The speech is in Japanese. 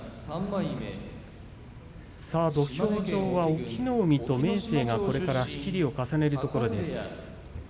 土俵上は隠岐の海と明生がこれから仕切りを重ねるところです。